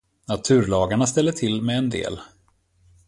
Naturlagarna ställer till med en del.